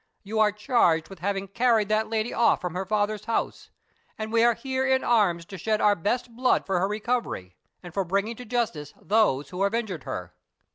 You are charged with having carried that lady off from her father's house; and we are here in arms to shed our best blood for her recovery, and for bringing to justice those who have injured her."